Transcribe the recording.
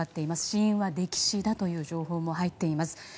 死因は溺死だという情報も入っています。